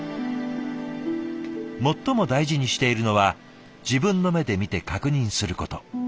最も大事にしているのは自分の目で見て確認すること。